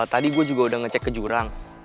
tadi gue juga udah ngecek ke jurang